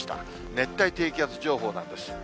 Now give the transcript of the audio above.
熱帯低気圧情報なんです。